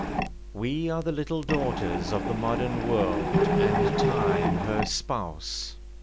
We are the little daughters of the modern world, And Time, her spouse.